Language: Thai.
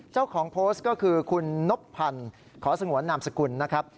เจ้าของโพสต์ก็คือคุณนบพันธ์ขอสงวนนามสกุลนะครับ